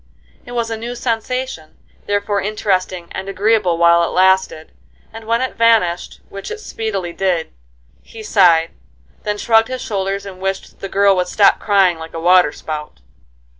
It was a new sensation, therefore interesting and agreeable while it lasted, and when it vanished, which it speedily did, he sighed, then shrugged his shoulders and wished "the girl would stop crying like a water spout."